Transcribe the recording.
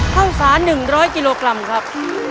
ข้าวสาร๑๐๐กิโลกรัมครับ